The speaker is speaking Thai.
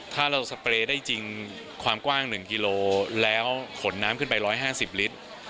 ถ้าเราสเปรย์ได้จริงความกว้าง๑กิโลแล้วขนน้ำขึ้นไป๑๕๐ลิตร